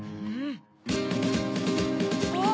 あっ！